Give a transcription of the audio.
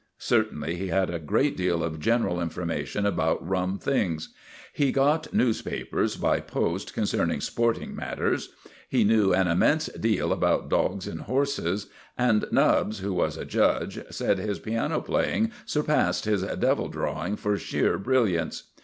Certainly he had a great deal of general information about rum things. He got newspapers by post concerning sporting matters; he knew an immense deal about dogs and horses; and Nubbs, who was a judge, said his piano playing surpassed his devil drawing for sheer brilliance.